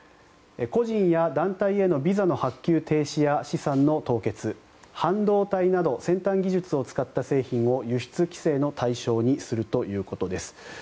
個人や団体へのビザの発給停止や資産の凍結半導体など先端技術を使った製品を輸出規制の対象にするということです。